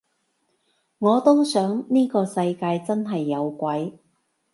我都想呢個世界真係有鬼